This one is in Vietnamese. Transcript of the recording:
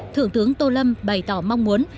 thượng tướng tô lâm bày tỏ mong muốn